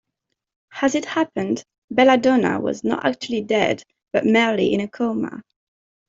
As it happened, Bella Donna was not actually dead, but merely in a coma.